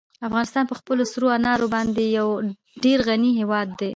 افغانستان په خپلو سرو انارو باندې یو ډېر غني هېواد دی.